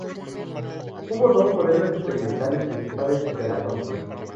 Hubo dos modelos experimentales principales de la Thompson.